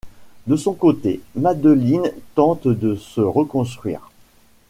De son côté, Madeline tente de se reconstruire.